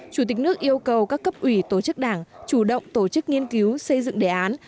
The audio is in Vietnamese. chủ tịch nước yêu cầu các cấp ủy tổ chức đảng chủ động tổ chức nghiên cứu xây dựng đề án